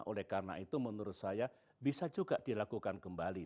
oleh karena itu menurut saya bisa juga dilakukan kembali